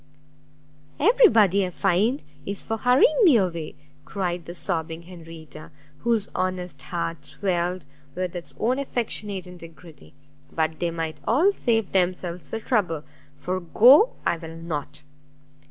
"Every body, I find, is for hurrying me away," cried the sobbing Henrietta, whose honest heart swelled with its own affectionate integrity; "but they might all save themselves the trouble, for go I will not!"